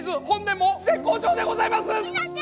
本年も絶好調でございます！